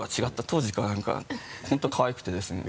当時から何か本当かわいくてですね。